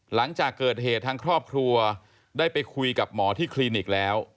หลังจากเกิดเหตุทางครอบครัวได้ไปคุยกับหมอที่คลินิกแล้ว